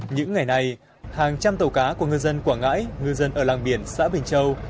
những ngày này hàng trăm tàu cá của ngư dân quảng ngãi ngư dân ở làng biển xã bình châu